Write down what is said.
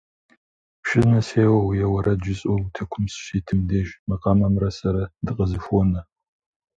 Пшынэ сеуэу е уэрэд жысӀэу утыкум сыщитым деж, макъамэмрэ сэрэ дыкъызэхуонэ.